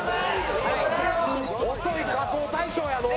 遅い『仮装大賞』やのう。